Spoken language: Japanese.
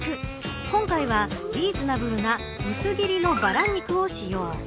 今回はリーズナブルな薄切りのバラ肉を使用。